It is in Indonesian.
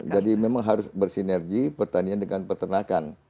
jadi memang harus bersinergi pertanian dengan peternakan